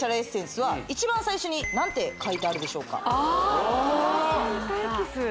はい！